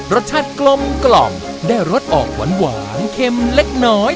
รสชาติกลมกล่อมได้รสออกหวานหวานเข็มเล็กน้อย